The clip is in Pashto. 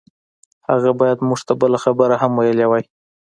هغه بايد موږ ته بله خبره هم ويلي وای.